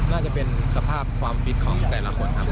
น่าจะเป็นสภาพความฟิตของแต่ละคนครับ